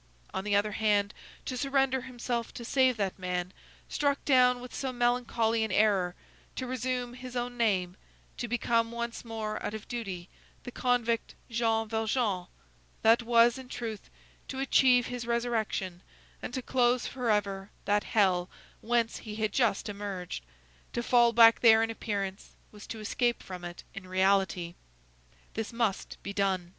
On the other hand, to surrender himself to save that man, struck down with so melancholy an error, to resume his own name, to become once more, out of duty, the convict Jean Valjean, that was, in truth, to achieve his resurrection, and to close forever that hell whence he had just emerged; to fall back there in appearance was to escape from it in reality. This must be done!